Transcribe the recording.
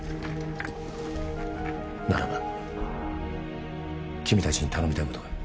ならば君たちに頼みたい事がある。